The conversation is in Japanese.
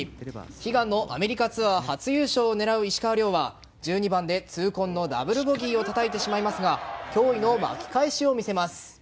悲願のアメリカツアー初優勝を狙う石川遼は１２番で、痛恨のダブルボギーをたたいてしまいますが驚異の巻き返しを見せます。